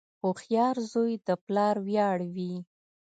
• هوښیار زوی د پلار ویاړ وي.